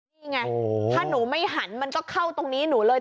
นี่ไงถ้าหนูไม่หันมันก็เข้าตรงนี้หนูเลย